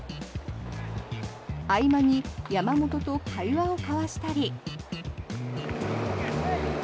合間に山本と会話を交わしたり。